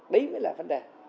đấy mới là vấn đề